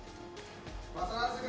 sudah naik ke tempatan manakala